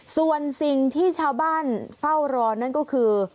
ส่วนสิ่งที่ชาวบ้านเฝ้ารอนั่นก็คือ